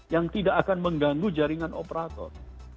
yang tidak akan mengganggu jaringan operator